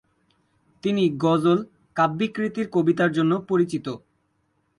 তিনি গজল -কাব্যিক রীতির কবিতার জন্য পরিচিত।